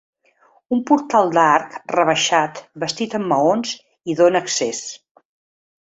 Un portal d'arc rebaixat bastit en maons hi dóna accés.